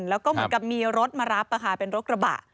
แล้วก็เหมือนกับมีรถมารับเป็นรถกระบะ